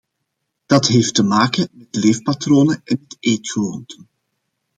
Dat heeft te maken met leefpatronen en met eetgewoonten.